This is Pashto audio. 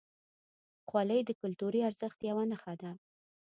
خولۍ د کلتوري ارزښت یوه نښه ده.